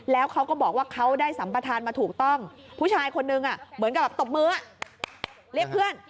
แล้วเขาก็บอกว่าเขาได้สัมประธานมาถูกต้องผู้ชายคนนึงเหมือนกับแบบตบมือเรียกเพื่อน